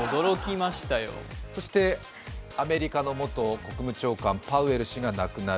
そしてアメリカの元国務長官・パウエル氏が亡くなる。